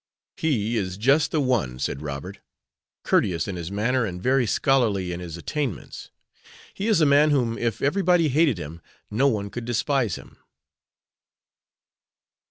"He is just the one," said Robert, "courteous in his manner and very scholarly in his attainments. He is a man whom if everybody hated him no one could despise him."